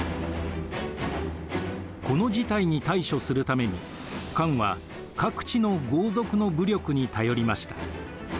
この事態に対処するために漢は各地の豪族の武力に頼りました。